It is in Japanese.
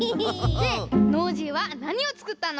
でノージーはなにをつくったの？